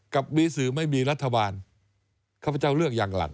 กับมีสื่อไม่มีรัฐบาลข้าพเจ้าเลือกอย่างหลัง